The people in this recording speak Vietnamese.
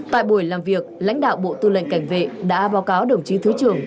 tại buổi làm việc lãnh đạo bộ tư lệnh cảnh vệ đã báo cáo đồng chí thứ trưởng